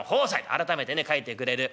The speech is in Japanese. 改めてね書いてくれる。